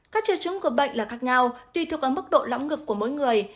các triệu chứng của bệnh là khác nhau tùy thuộc vào mức độ lõm ngực của mỗi người